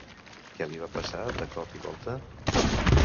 Què li va passar de cop i volta?